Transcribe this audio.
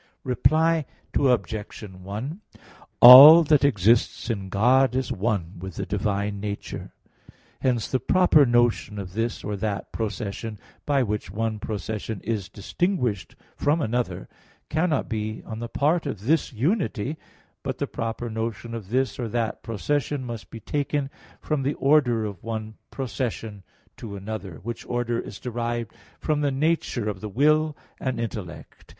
Reply Obj. 1: All that exists in God is one with the divine nature. Hence the proper notion of this or that procession, by which one procession is distinguished from another, cannot be on the part of this unity: but the proper notion of this or that procession must be taken from the order of one procession to another; which order is derived from the nature of the will and intellect.